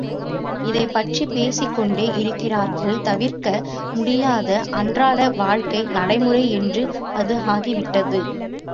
இதைப் பற்றிப் பேசிக்கொண்டே இருக்கிறார்கள் தவிர்க்க முடியாத அன்றாட வாழ்க்கை நடைமுறை என்று இது ஆகிவிட்டது.